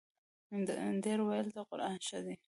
ډېر ویل د قران ښه دی.